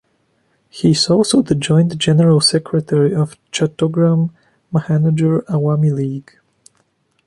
He is also the joint general secretary of Chattogram Mahanagar Awami League.